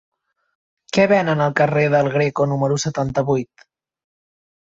Què venen al carrer del Greco número setanta-vuit?